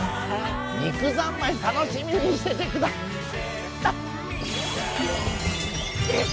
肉三昧、楽しみにしててくだたいっ！